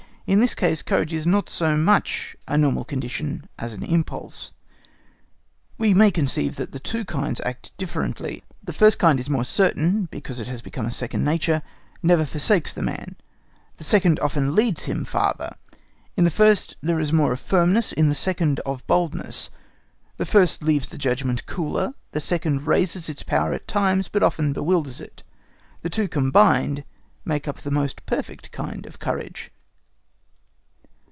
In this case courage is not so much a normal condition as an impulse. We may conceive that the two kinds act differently. The first kind is more certain, because it has become a second nature, never forsakes the man; the second often leads him farther. In the first there is more of firmness, in the second, of boldness. The first leaves the judgment cooler, the second raises its power at times, but often bewilders it. The two combined make up the most perfect kind of courage.